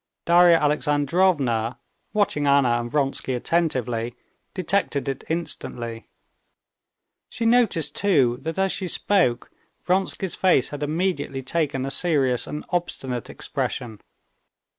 Darya Alexandrovna, watching Anna and Vronsky attentively, detected it instantly. She noticed, too, that as she spoke Vronsky's face had immediately taken a serious and obstinate expression.